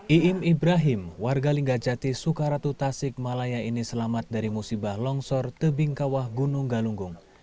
iim ibrahim warga linggajati sukaratu tasik malaya ini selamat dari musibah longsor tebing kawah gunung galunggung